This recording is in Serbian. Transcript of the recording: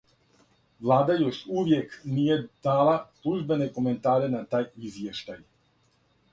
Влада још увијек није дала службене коментаре на тај извјештај.